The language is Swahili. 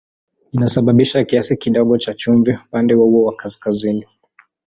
Inasababisha kiasi kidogo cha chumvi upande huo wa kaskazini.